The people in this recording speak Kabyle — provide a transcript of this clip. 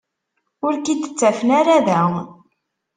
Ur k-id-ttafen ara da.